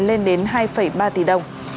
số tiền lên đến hai ba tỷ đồng